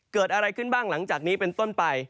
เกิดอะไรขึ้นบ้างหลังจากนี้เป็นต้นไป